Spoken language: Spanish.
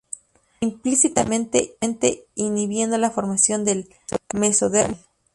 E implícitamente inhibiendo la formación del mesodermo ventral.